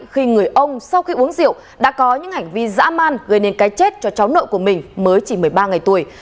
khi người ông sau khi uống rượu đã có những hành vi giã man gây nên cái chết cho cháu nợ của mình mới chỉ một mươi ba ngày tuổi